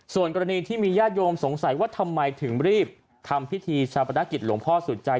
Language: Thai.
ส่วนกรณีที่มีญาติโยมสงสัยว่าทำไมถึงรีบทำพิธีชาปนกิจหลวงพ่อสุดใจ